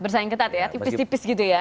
bersaing ketat ya tipis tipis gitu ya